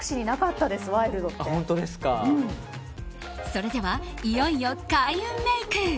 それでは、いよいよ開運メイク。